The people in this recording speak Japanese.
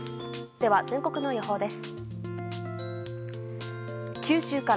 では、全国の予報です。